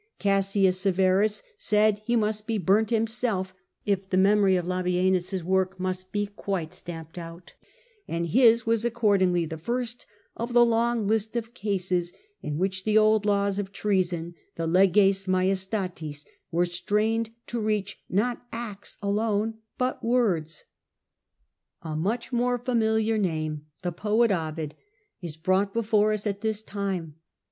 Cassius Severus said he must be burnt himself, if the memory of Labienus' work must be quite stamped out; and his was, accordingly, the first of the long list of cases in which the old laws of Leges M ajes b'^^son —the Lcgcs M ajdstatis — were strained to reach not acts alone but words. A much more familiar name, the poet Ovid, is brought before us at this time.